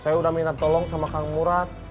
saya udah minta tolong sama kang murad